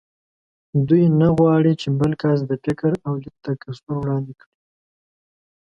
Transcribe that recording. دوی نه غواړ چې بل کس د فکر او لید تکثر وړاندې کړي